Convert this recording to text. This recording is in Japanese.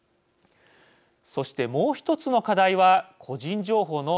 そしてもう１つの課題は個人情報の取り扱いです。